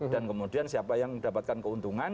dan kemudian siapa yang mendapatkan keuntungan